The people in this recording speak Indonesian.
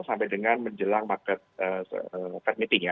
sampai dengan menjelang market fat meeting ya